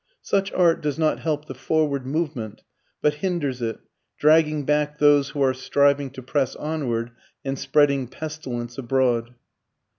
Such art does not help the forward movement, but hinders it, dragging back those who are striving to press onward, and spreading pestilence abroad.